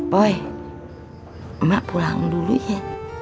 boy emak pulang dulu ya